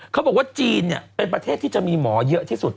เขาบอกว่าจีนเป็นประเทศที่จะมีหมอเยอะที่สุด